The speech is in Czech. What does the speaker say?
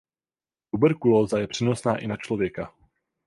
Tuberkulóza je přenosná i na člověka.